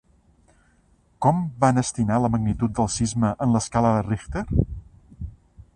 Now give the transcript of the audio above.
Com van estimar la magnitud del sisme en l'escala de Richter?